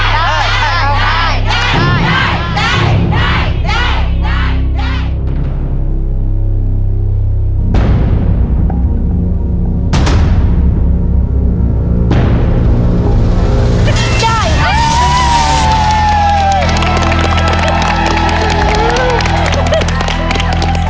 ได้ครับ